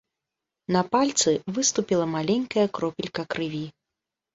На пальцы выступіла маленькая кропелька крыві.